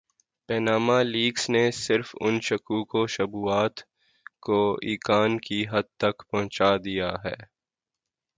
Panama leaks نے صرف ان شکوک وشبہات کو ایقان کی حد تک پہنچا دیا ہے۔